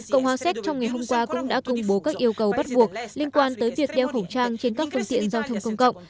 cộng hòa séc trong ngày hôm qua cũng đã công bố các yêu cầu bắt buộc liên quan tới việc đeo khẩu trang trên các phương tiện giao thông công cộng